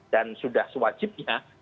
dan sudah sewajibnya